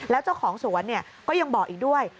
แล้วเจ้าของสวนก็ยังบอกอีกด้วย